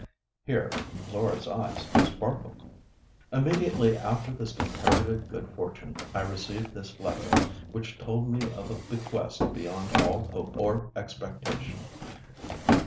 Here Laura's eyes sparkled. "Immediately after this comparative good fortune I received this letter, which told me of a bequest beyond all hope or expectation.